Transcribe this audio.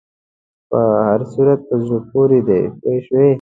په هر صورت په زړه پورې دی پوه شوې!.